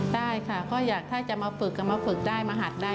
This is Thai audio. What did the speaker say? ได้ค่ะก็อยากถ้าจะมาฝึกจะมาฝึกได้มาหัดได้